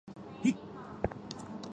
脸色都沉了下来